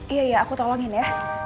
iya aku tolongin ya